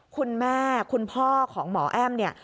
คุณพ่อคุณพ่อของหมอแอ้มเนี่ย